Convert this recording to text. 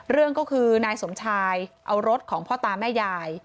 เรื่องก็คือนายสมชายเอารถของพ่อตาแม่ยาย